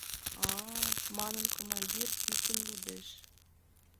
А-а!.. — манын, командир писын лудеш.